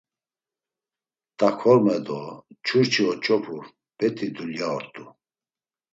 T̆akorme do mçurçi oç̌opu bet̆i dulya ort̆u.